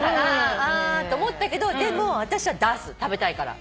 ああっと思ったけどでも私は出す食べたいから。